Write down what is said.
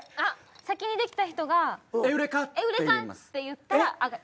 先にできた人が「エウレカ」って言ったらあがり。